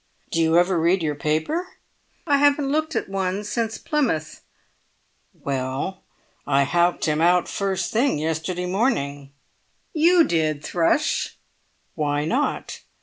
"Do you ever read your paper?" "I haven't looked at one since Plymouth." "Well, I howked him out first thing yesterday morning." "You did, Thrush?" "Why not?